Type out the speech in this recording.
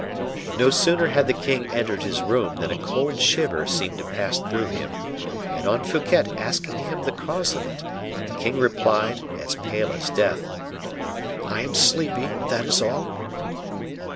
No sooner had the king entered his room than a cold shiver seemed to pass through him, and on Fouquet asking him the cause of it, the king replied, as pale as death: "I am sleepy, that is all."